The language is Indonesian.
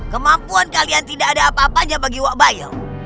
kemampuan kalian tidak ada apa apanya bagi wak bayel